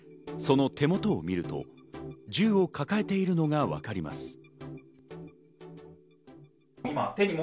その手元を見ると銃を抱えているのがわかります。